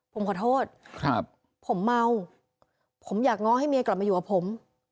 ผมขอโทษครับผมเมาผมอยากง้อให้เมียกลับมาอยู่กับผม